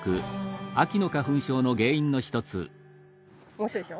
面白いでしょ。